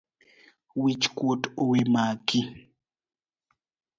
Wich kuot owemaki